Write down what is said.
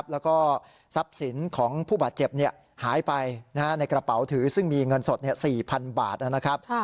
แล้วก็ทรัพย์สินของผู้บาดเจ็บหายไปในกระเป๋าถือซึ่งมีเงินสด๔๐๐๐บาทนะครับ